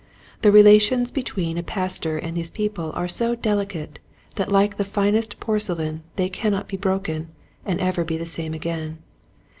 The relations between a Pastor and his people are so delicate that like the finest porcelain they cannot be broken and ever be the same again.